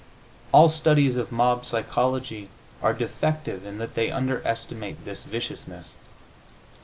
All studies of mob psychology are defective in that they underestimate this viciousness.